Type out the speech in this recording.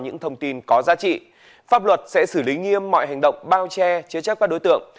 những thông tin có giá trị pháp luật sẽ xử lý nghiêm mọi hành động bao che chế chấp các đối tượng